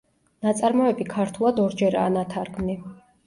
ნაწარმოები ქართულად ორჯერაა ნათარგმნი.